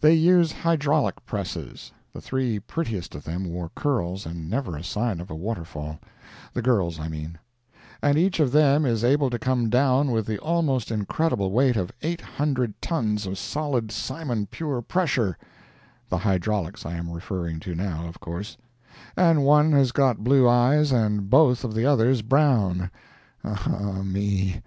They use hydraulic presses, (the three prettiest of them wore curls and never a sign of a waterfall,—the girls, I mean,) and each of them is able to come down with the almost incredible weight of eight hundred tons of solid, simon pure pressure (the hydraulics I am referring to now of course,) and one has got blue eyes and both of the others brown, ah, me!